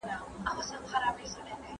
¬ نغرى له دښمنه ډک ښه دئ، نه له دوسته خالي.